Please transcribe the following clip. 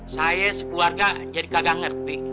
saya sekeluarga jadi kagak ngerti